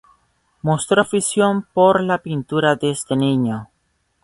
Mostró afición por la pintura desde niño.